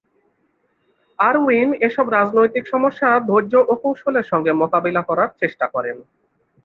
Irwin এসব রাজনৈতিক সমস্যা ধৈর্য্য ও কৌশলের সঙ্গে মোকাবিলা করার চেষ্টা করেন।